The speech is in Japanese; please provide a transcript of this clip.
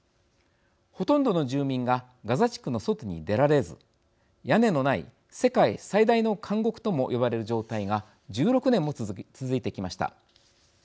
ほとんどの住民がガザ地区の外に出られず屋根のない世界最大の監獄とも呼ばれる状態が１６年も続いてきました。